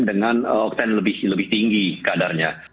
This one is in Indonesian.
dengan open lebih tinggi kadarnya